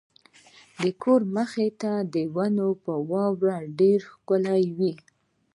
د کور مخې ته ونې په واورو ډېرې ښکلې وې.